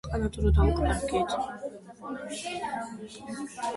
აქ მდებარეობს სხვადასხვა რელიგიების ტაძრები და ინსტიტუტები.